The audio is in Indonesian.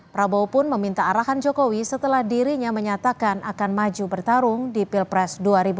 prabowo pun meminta arahan jokowi setelah dirinya menyatakan akan maju bertarung di pilpres dua ribu dua puluh